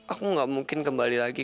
aku gak mungkin kembali lagi